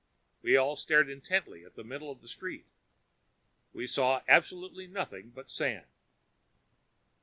We all stared intently at the middle of the street. We saw absolutely nothing but sand.